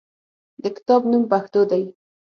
د کتاب نوم "پښتو" دی.